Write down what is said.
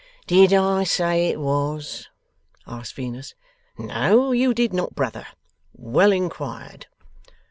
'Did I say it was?' asked Venus. 'No, you did not, brother. Well inquired.